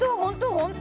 本当？